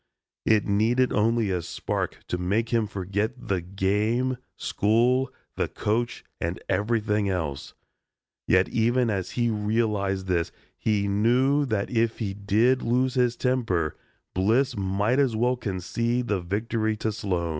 It needed only a spark to make him forget the game, school, the coach and everything else. Yet even as he realized this he knew that if he did lose his temper, Bliss might as well concede the victory to Sloan.